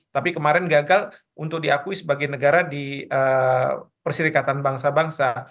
tapi kemarin gagal untuk diakui sebagai negara di perserikatan bangsa bangsa